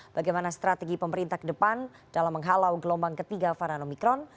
bagaimana strategi pemerintah ke depan dalam menghalau gelombang ketiga varian omikron